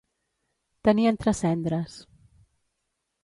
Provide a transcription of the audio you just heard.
Tenir entre cendres.